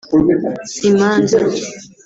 imanza